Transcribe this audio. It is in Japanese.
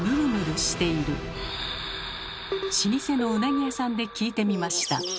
老舗のうなぎ屋さんで聞いてみました。